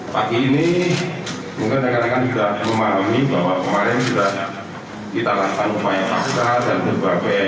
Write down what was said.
pagi ini mungkin rekan rekan juga memahami bahwa kemarin sudah kita lakukan upaya paksa dan berbagai